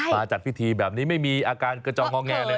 จัดพิธีแบบนี้ไม่มีอาการกระจองงอแงเลยนะ